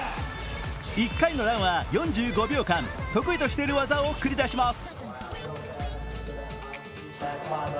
１回のランは４５秒間、得意としている技を繰り出します。